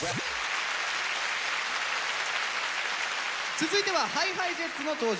続いてはＨｉＨｉＪｅｔｓの登場です。